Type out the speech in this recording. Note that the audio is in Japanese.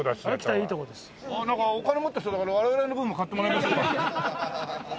なんかお金持ってそうだから我々の分も買ってもらいましょうか。